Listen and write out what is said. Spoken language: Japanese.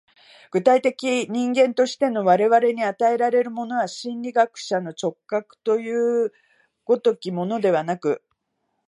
具体的人間としての我々に与えられるものは、心理学者の直覚という如きものではなく、